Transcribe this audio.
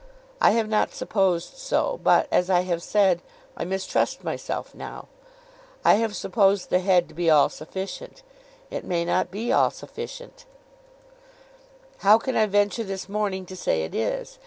I have not supposed so; but, as I have said, I mistrust myself now. I have supposed the head to be all sufficient. It may not be all sufficient; how can I venture this morning to say it is!